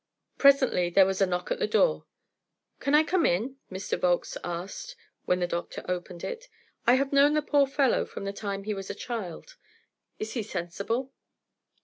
Presently there was a knock at the door. "Can I come in?" Mr. Volkes asked, when the doctor opened it. "I have known the poor fellow from the time he was a child. Is he sensible?"